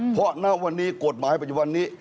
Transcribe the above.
เพราะณวันนี้กฎหมายปัจจุบันนี้